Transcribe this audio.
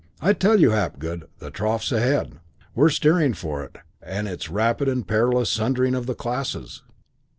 I tell you, Hapgood, the trough's ahead; we're steering for it; and it's rapid and perilous sundering of the classes.